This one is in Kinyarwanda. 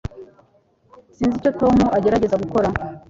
Sinzi icyo Tom agerageza gukora